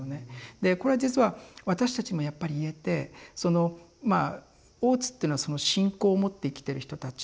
でこれ実は私たちもやっぱり言えてそのまあ大津っていうのは信仰を持って生きてる人たちって。